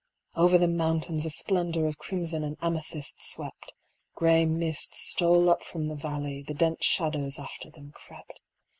Over the mountains a splendor of crimson and amethyst swept : Gray mists stole up from the valley, the dense shadows after them crept.